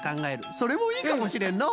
それもいいかもしれんのう。